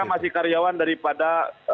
mereka masih karyawan daripada